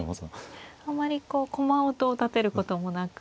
あまりこう駒音を立てることもなく。